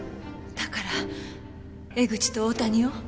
だから江口と大谷を？